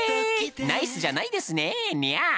ナイスじゃないですねにゃー！